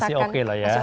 masih oke lah ya